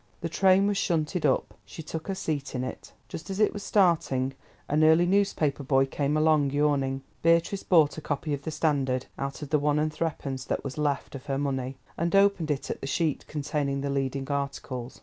The train was shunted up; she took her seat in it. Just as it was starting, an early newspaper boy came along, yawning. Beatrice bought a copy of the Standard, out of the one and threepence that was left of her money, and opened it at the sheet containing the leading articles.